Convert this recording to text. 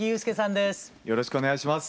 よろしくお願いします。